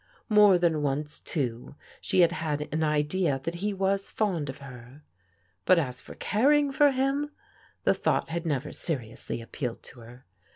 More than once, too, she had had an idea that he was fond of her. But as for caring for him, the thought had never seriously appealed to her.